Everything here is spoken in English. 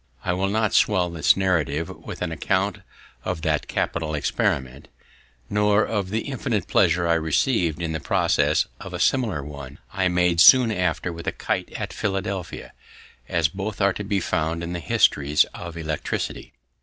I will not swell this narrative with an account of that capital experiment, nor of the infinite pleasure I receiv'd in the success of a similar one I made soon after with a kite at Philadelphia, as both are to be found in the histories of electricity.